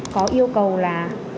có yêu cầu là